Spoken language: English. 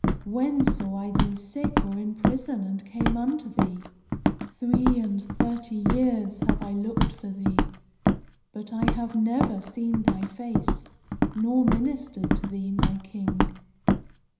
When saw I thee sick or in prison, and came unto thee? Three and thirty years have I looked for thee; but I have never seen thy face, nor ministered to thee, my King."